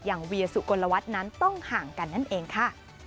อย่างเวียสุโกะละวัดนั้นต้องห่างกันนั่นเองค่ะ